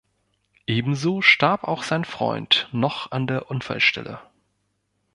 Ebenso starb auch sein Freund noch an der Unfallstelle.